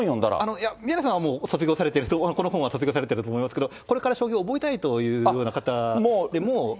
いや、宮根さんはもう卒業されてる、この本は卒業されていると思いますけど、これから将棋を覚えたいというような方でも。